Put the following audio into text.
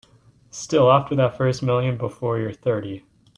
Still after that first million before you're thirty.